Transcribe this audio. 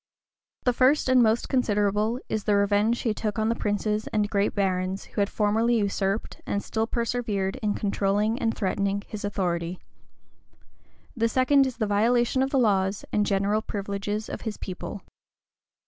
The first and most considerable is the revenge which he took on the princes and great barons who had formerly usurped, and still persevered in controlling and threatening his authority; the second is the violation of the laws and general privileges of his people.